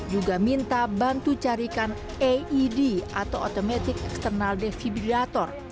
juga minta bantu carikan aed atau automatic external devirator